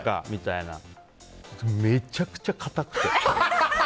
めちゃくちゃ硬くて。